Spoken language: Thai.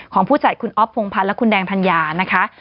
ของผู้จัดคุณอ๊อฟพงพันธ์และคุณแดงธัญญานะคะ